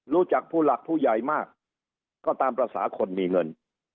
รู้จักผู้หลักผู้ใหญ่มากก็ตามภาษาคนมีเงิน